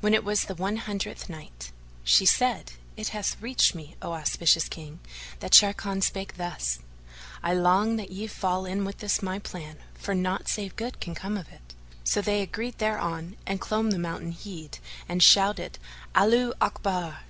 When it was the One Hundredth Night, She said, It hath reached me, O auspicious King, that Sharrkan spake thus, "I long that ye fall in with this my plan, for naught save good can come of it." So they agreed thereon and clomb the mountain head and shouted, "Allaho Akbar!"